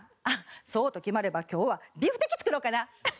そうと決まれば今日はビフテキ作ろうかな！